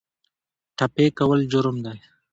ټپي کول جرم دی.